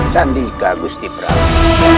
sandika gusti prasad